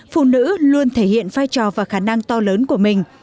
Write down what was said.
phụ nữ luôn thể hiện vai trò và khả năng to lớn của mình